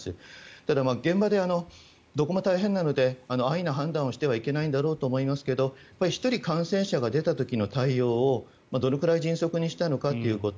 ただ、現場はどこも大変なので安易な判断をしてはいけないんだろうと思いますが１人感染者が出た時の対応をどれくらい迅速にしたのかということ。